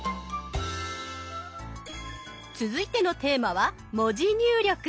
続いてのテーマは「文字入力」。